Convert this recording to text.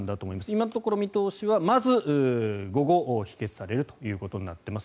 今のところ見通しはまず午後、否決されるということになっています。